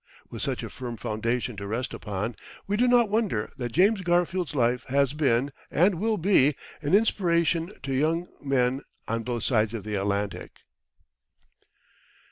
With such a firm foundation to rest upon, we do not wonder that James Garfield's life has been, and will be, an inspiration to many young men on both sides of the Atlantic.